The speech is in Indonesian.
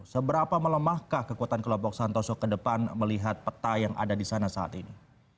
seberapa melemahkah kekuatan kelompok santoso ke depan melihat peta yang ada di sana saat ini